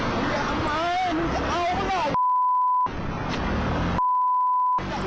กวงมาก๋อง